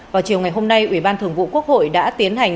vào chiều ngày hôm nay ủy ban thường vụ quốc hội đã tiến hành